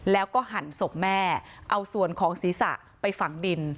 แล้วก็หั่นศพแม่เอาส่วนของศีรษะไปฝังดิน